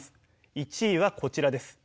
１位はこちらです。